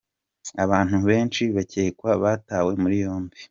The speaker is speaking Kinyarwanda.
Abantu benshi bakekwa batawe muri yombi.